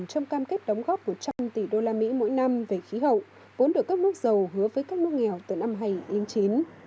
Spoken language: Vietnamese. cam kết đóng góp một trăm linh tỷ đô la mỹ mỗi năm về khí hậu vốn được các nước giàu hứa với các nước nghèo từ năm hầy yên chín